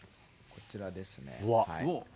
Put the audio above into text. こちらですね。